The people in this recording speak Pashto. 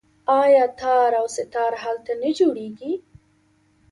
آیا تار او سه تار هلته نه جوړیږي؟